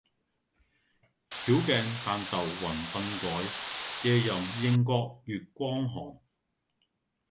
曉鏡但愁云鬢改，夜吟應覺月光寒。